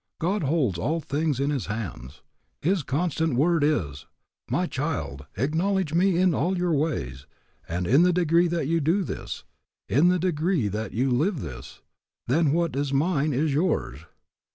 God holds all things in His hands. His constant word is, My child, acknowledge me in all your ways, and in the degree that you do this, in the degree that you live this, then what is mine is yours.